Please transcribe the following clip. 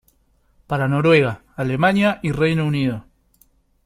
Para Noruega, Alemania y Reino Unido.